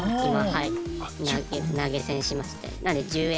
はい。